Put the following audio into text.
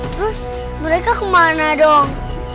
terus mereka kemana dong